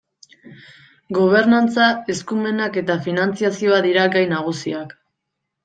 Gobernantza, eskumenak eta finantzazioa dira gai nagusiak.